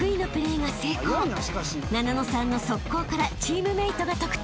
［ななのさんの速攻からチームメートが得点］